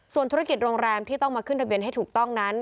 ส่วนธุรกิจโรงแรมที่ต้องมาขึ้นทะเบียนให้ถูกต้องนั้น